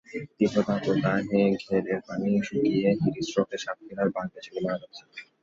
তীব্র দাবদাহে ঘেরের পানি শুকিয়ে হিট স্ট্রোকে সাতক্ষীরায় বাগদা চিংড়ি মরে যাচ্ছে।